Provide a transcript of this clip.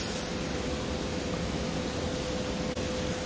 สวัสดีครับทุกคน